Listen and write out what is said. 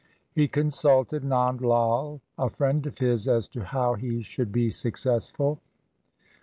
He consulted Nand Lai, a friend of his, as to how he should be successful.